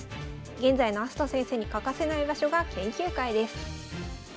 現在の明日斗先生に欠かせない場所が研究会です。